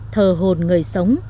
thờ hồn người sống